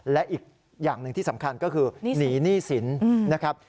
และอีกอย่างหนึ่งที่สำคัญก็คือหนีหนี้สินนะครับ